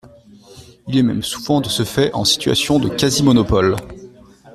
Il est même souvent de ce fait en situation de quasi-monopole.